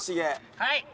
はい。